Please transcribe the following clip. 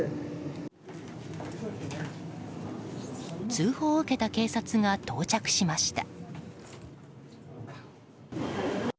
通報を受けた警察が到着しました。